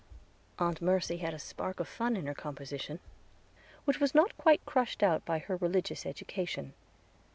Aunt Mercy had a spark of fun in her composition, which was not quite crushed out by her religious education.